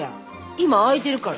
今空いてるから。